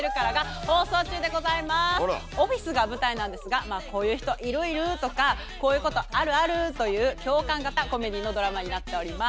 オフィスが舞台なんですがまあこういう人いるいるとかこういうことあるあるという共感型コメディーのドラマになっております。